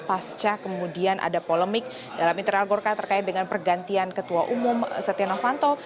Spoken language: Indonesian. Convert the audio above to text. pasca kemudian ada polemik dalam internal golkar terkait dengan pergantian ketua umum setia novanto